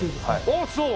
あっそう！